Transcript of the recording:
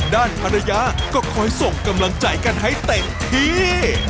ด้านภรรยาก็คอยส่งกำลังใจกันให้เต็มที่